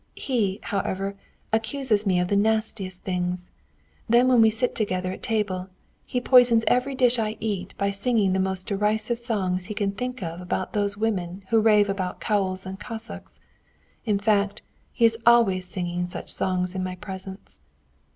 He, however, accuses me of the nastiest things. Then when we sit together at table, he poisons every dish I eat by singing the most derisive songs he can think of about those women who rave about cowls and cassocks; in fact, he is always singing such songs in my presence."